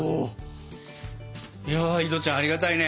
いや井戸ちゃんありがたいね！